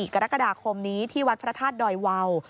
กรกฎาคมนี้ที่วัดพระธาตุดอยวาว